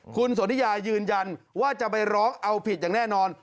คุณสนทิยายืนยันว่าจะไปร้องเอาผิดอย่างแน่นอน